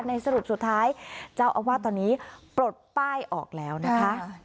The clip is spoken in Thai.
สรุปสุดท้ายเจ้าอาวาสตอนนี้ปลดป้ายออกแล้วนะคะ